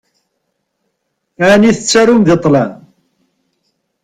Ɛni tettarum deg ṭṭlam?